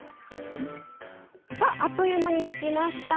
さああっという間にできました。